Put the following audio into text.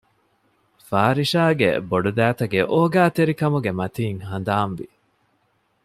ފާރިޝާގެ ބޮޑުދައިތަގެ އޯގާތެރިކަމުގެ މަތީން ހަނދާންވި